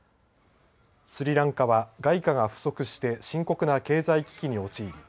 スリランカは外貨が不足して深刻な経済危機に陥り